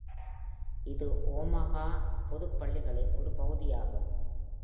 இது ஒமாஹா பொதுப் பள்ளிகளின் ஒரு பகுதியாகும்.